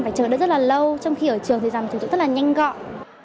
phải chờ đợi rất là lâu trong khi ở trường thì làm thủ tập rất là nhanh gọn